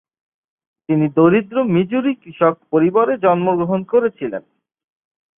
তিনি দরিদ্র মিজুরি কৃষক পরিবারে জন্মগ্রহণ করেছিলেন।